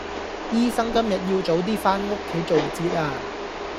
醫生今日要早啲返屋企做節呀